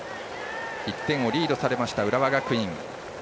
１点をリードされました浦和学院。